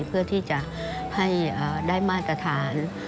เพื่อที่จะให้ได้มาตรฐาน